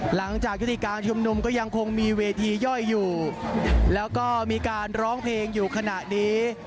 หลังจากยุติการชุมนุมก็ยังคงมีเวทีย่อยอยู่แล้วก็มีการร้องเพลงอยู่ขณะนี้